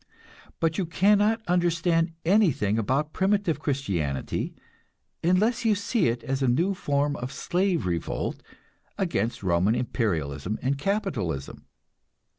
But you cannot understand anything about primitive Christianity unless you see it as a new form of slave revolt against Roman imperialism and capitalism.